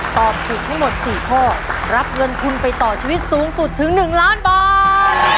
ตอบถูกทั้งหมด๔ข้อรับเงินทุนไปต่อชีวิตสูงสุดถึง๑ล้านบาท